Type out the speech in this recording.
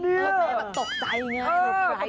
ถูกไหมตกใจใช่ไหม